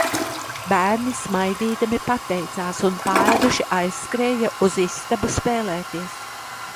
Bērni smaidīdami pateicās un paēduši aizskrēja uz istabu spēlēties.